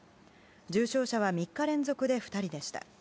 重症者は３日連続で２人でした。